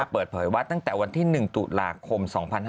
เปิดเผยว่าตั้งแต่วันที่๑ตุลาคม๒๕๕๙